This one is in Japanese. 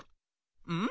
「うん？